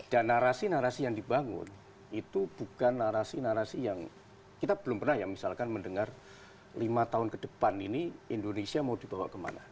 dan narasi narasi yang dibangun itu bukan narasi narasi yang kita belum pernah ya misalkan mendengar lima tahun ke depan ini indonesia mau dibawa kemana